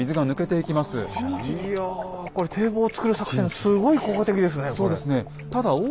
いやこれ堤防を造る作戦すごい効果的ですねこれ。